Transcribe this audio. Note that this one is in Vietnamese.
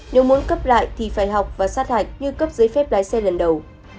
nếu muốn cấp lại thì phải học và sát hạch như cấp giấy phép lái xe lần đầu